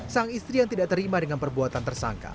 sang istri yang tidak terima dengan perbuatan tersangka